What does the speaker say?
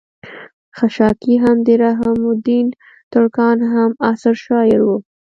خشاکے هم د رحم الدين ترکاڼ هم عصر شاعر وو